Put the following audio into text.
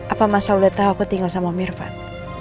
apa masal luar ta'a aku tinggal sama om irfan